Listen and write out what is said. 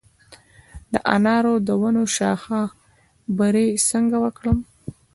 د انارو د ونو شاخه بري څنګه وکړم؟